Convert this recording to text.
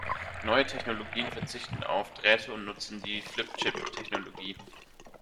Neue Technologien verzichten auf Drähte und nutzen die Flip-Chip-Technologie.